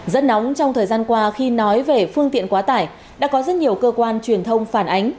rất nóng trong thời gian qua khi nói về phương tiện quá tải đã có rất nhiều cơ quan truyền thông phản ánh